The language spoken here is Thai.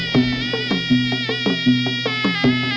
สวัสดีครับ